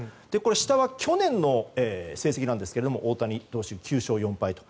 下は去年の成績ですが大谷投手、９勝４敗と。